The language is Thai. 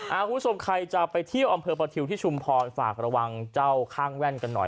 คุณผู้ชมใครจะไปเที่ยวอำเภอประทิวที่ชุมพรฝากระวังเจ้าข้างแว่นกันหน่อย